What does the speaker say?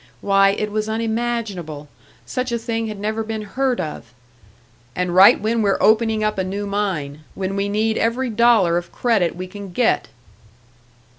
Why, it was unimaginable, such a thing had never been heard of! "And right when we're opening up a new mine when we need every dollar of credit we can get!"